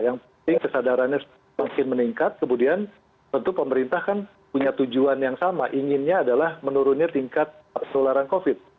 yang penting kesadarannya semakin meningkat kemudian tentu pemerintah kan punya tujuan yang sama inginnya adalah menurunnya tingkat penularan covid